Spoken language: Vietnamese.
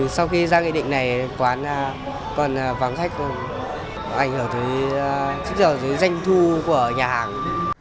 sau khi ra nghị định này quán còn vắng khách ảnh hưởng tới danh thu của nhà hàng